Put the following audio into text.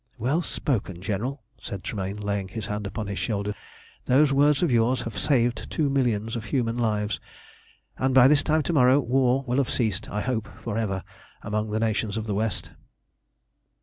"Well spoken, General!" said Tremayne, laying his hand upon his shoulder. "Those words of yours have saved two millions of human lives, and by this time to morrow war will have ceased, I hope for ever, among the nations of the West."